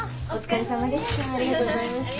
お疲れさまでした。